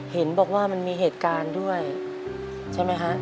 เห็นบอกว่ามันมีเหตุการณ์ด้วยใช่ไหมคะ